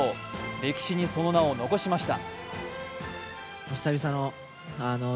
歴史にその名を残しました。